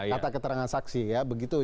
kata keterangan saksi ya begitu